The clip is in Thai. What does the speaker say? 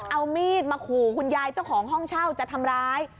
เอามีดมาขู่คุณยายเจ้าของห้องเช่าจะทำร้าย